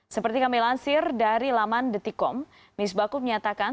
seperti kami lansir dari laman detikom misbaku menyatakan